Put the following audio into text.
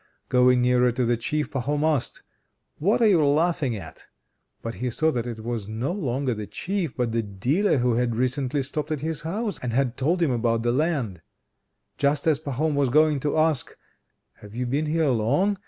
Going nearer to the Chief, Pahom asked: "What are you laughing at?" But he saw that it was no longer the Chief, but the dealer who had recently stopped at his house and had told him about the land. Just as Pahom was going to ask, "Have you been here long?"